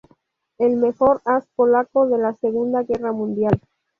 El mejor as polaco de la Segunda Guerra Mundial.